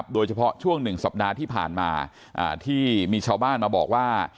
โดยเฉพาะช่วง๑สัปดาห์ที่ผ่านมาที่มีชาวบ้านมาบอกว่า